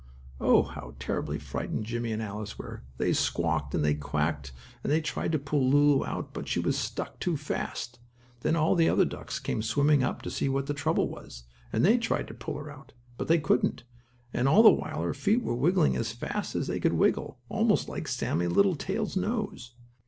Oh, how terribly frightened Jimmie and Alice were. They squawked and they quacked, and they tried to pull Lulu out, but she was stuck too fast. Then all the other ducks came swimming up to see what the trouble was, and they tried to pull her out, but they couldn't, and, all the while her feet were wiggling as fast as they could wiggle, almost like Sammie Littletail's nose.